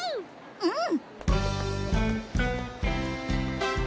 うん！